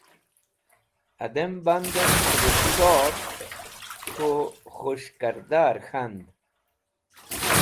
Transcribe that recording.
Hẽdẽm bandes̃h “kobũtsor” k̃hũ khus̃h kẽrdaẽr k̃hand.